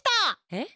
えっ？